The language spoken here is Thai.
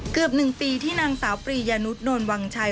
เกือบหนึ่งปีที่นางสาวปรียะนุษย์โดนวังชัย